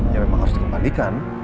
ya memang harus dikembalikan